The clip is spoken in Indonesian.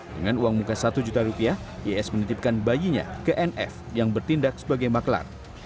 dengan uang muka satu juta rupiah is menitipkan bayinya ke nf yang bertindak sebagai maklar